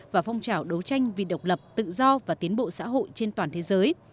và phong trào đấu tranh vì độc lập tự do và tiến bộ xã hội trên toàn thế giới